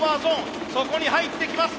そこに入ってきます。